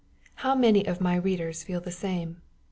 How many of my readers feel the same!